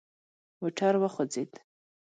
موټر وخوځید.